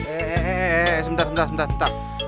eh eh eh eh eh sebentar sebentar sebentar